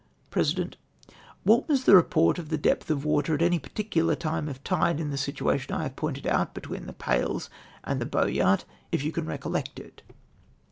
President. —" What was the report of the depth of water at any particular time of tide in the situation / Jtave poiided out between the Palles and the Boyart, If you can recollect it